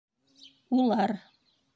— Улар...